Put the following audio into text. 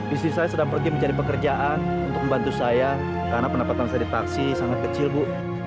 istri saya sedang pergi mencari pekerjaan untuk membantu saya karena pendapatan saya di taksi sangat kecil bu